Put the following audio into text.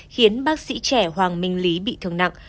khiến bác sĩ trẻ hoàng minh lý bị thương nặng